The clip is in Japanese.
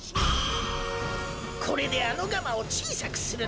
これであのガマをちいさくするのだ。